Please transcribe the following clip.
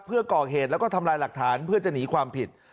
เพื่อก่อเหตุแล้วก็ทำลายหลักฐานเพื่อจะหนีความผิด